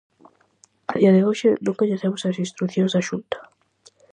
A día de hoxe non coñecemos as instrucións da Xunta.